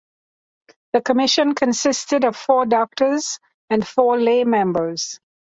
The commission consisted of four doctors and four lay members.